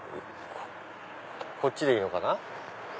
こっちでいいのかな？